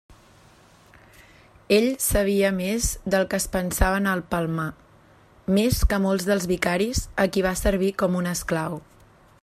Ell sabia més del que es pensaven al Palmar; més que molts dels vicaris a qui va servir com un esclau.